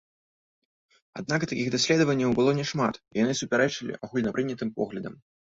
Аднак такіх даследаванняў было няшмат, і яны супярэчылі агульнапрынятым поглядам.